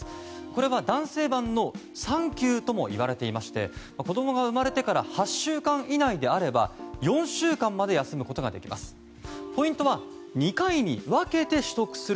これは男性版の産休ともいわれていまして子供が生まれてから８週間以内であれば４週間まで休むことができます。